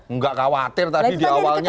nggak khawatir tadi di awalnya